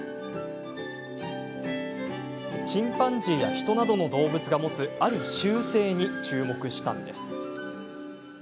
チンパンジーや人などの動物が持つある習性に注目したのです。